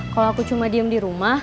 kalo aku cuma diem dirumah